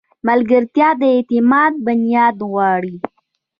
ملګرتیا د اعتماد بنیاد غواړي.